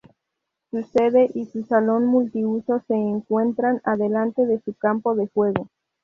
Su sede y su salón multiuso se encuentran adelante de su campo de juego.